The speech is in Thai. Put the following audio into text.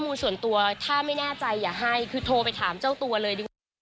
ส่วนตัวถ้าไม่แน่ใจอย่าให้คือโทรไปถามเจ้าตัวเลยดีกว่า